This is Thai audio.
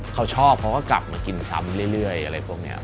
เขาชอบเขาก็กลับมากินซ้ำเรื่อยอะไรพวกนี้